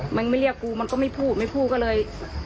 มึงไม่เรียกกูมันก็ไม่พูดไม่พูดก็เลย